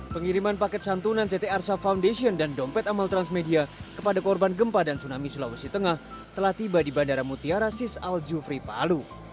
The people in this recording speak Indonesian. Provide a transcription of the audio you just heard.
pengiriman paket santunan ct arsa foundation dan dompet amal transmedia kepada korban gempa dan tsunami sulawesi tengah telah tiba di bandara mutiara sis al jufri palu